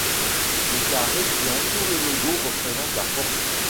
Le carré qui entoure le logo représente la force.